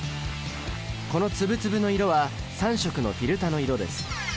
この粒々の色は３色のフィルタの色です。